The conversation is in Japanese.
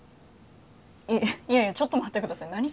いやいやちょっと待ってください